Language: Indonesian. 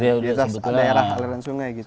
di atas daerah aliran sungai gitu ya